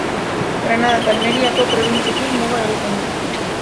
Granada eta Almeriako probintziekin muga egiten du.